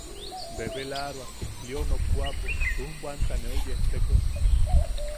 Bebelaaroan Lio nokwaʼapo ujbwanta neu yejteko.